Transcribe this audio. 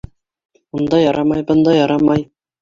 Унда ярамай, бында ярамай.